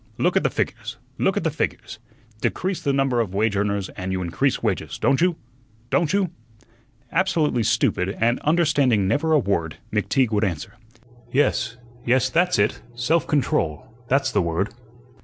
Look at the figures, look at the figures. Decrease the number of wage earners and you increase wages, don't you? don't you?" Absolutely stupid, and understanding never a word, McTeague would answer: "Yes, yes, that's it self control that's the word."